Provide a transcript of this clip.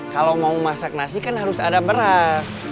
kalau mau masak nasi kan harus ada beras